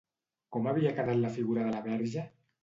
Com havia quedat la figura de la Verge?